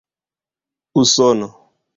usono